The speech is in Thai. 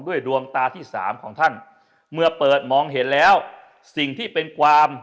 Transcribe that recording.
ดวงตาที่สามของท่านเมื่อเปิดมองเห็นแล้วสิ่งที่เป็นความ